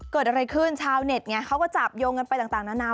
เกิดอะไรขึ้นชาวเน็ตไงเขาก็จับโยงกันไปต่างนานา